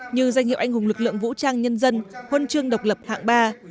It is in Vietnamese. như danh hiệu anh hùng lực lượng vũ trang nhân dân huân chương độc lập hạng ba